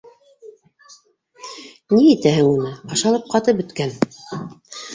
Ни итәһең уны, ашалып, ҡатып бөткән.